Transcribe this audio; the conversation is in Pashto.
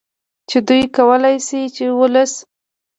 چې دوی کولې شي چې ولس